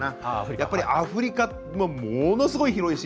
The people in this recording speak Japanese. やっぱりアフリカものすごく広いし。